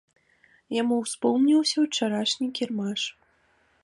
Яму ўспомніўся ўчарашні кірмаш.